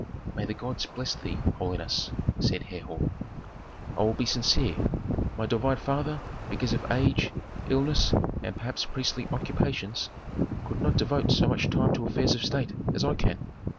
"May the gods bless thee, holiness," said Herhor. "I will be sincere. My divine father, because of age, illness, and perhaps priestly occupations, could not devote so much time to affairs of state as I can.